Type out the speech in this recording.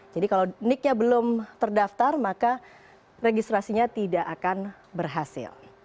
jadi kalau niknya belum terdaftar maka registrasinya tidak akan berhasil